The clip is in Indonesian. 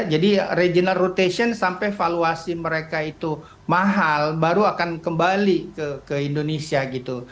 jadi regional rotation sampai valuasi mereka itu mahal baru akan kembali ke indonesia gitu